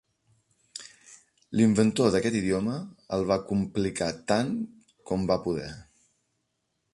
L'inventor d'aquest idioma el va complicar tant com va poder.